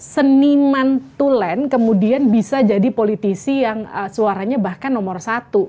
seniman tulen kemudian bisa jadi politisi yang suaranya bahkan nomor satu